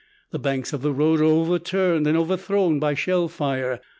The banks of the road are overturned and overthrown by shell fire.